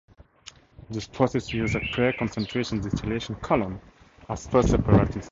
This process uses a pre-concentration distillation column as first separating step.